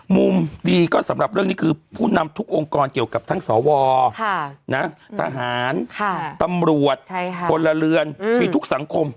มุมดีก็สำหรับเรื่องนี้คือผู้นำทุกองค์กรเกี่ยวกับทั้งสวทหารตำรวจพลเรือนมีทุกสังคม